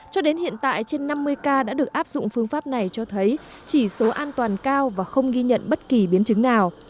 cho đến hiện tại trên năm mươi ca đã được áp dụng phương pháp này cho thấy chỉ số an toàn cao và không ghi nhận bất kỳ biến chứng nào